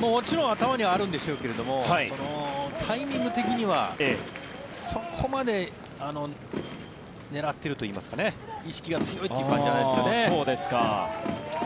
もちろん頭にはあるんでしょうけどタイミング的にはそこまで狙っているといいますか意識が強いっていう感じではないですよね。